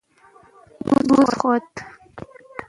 کوز خوات: